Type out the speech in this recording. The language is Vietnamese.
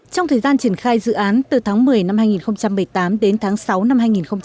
trong thời gian triển khai dự án từ tháng một mươi năm hai nghìn một mươi tám đến tháng sáu năm hai nghìn một mươi chín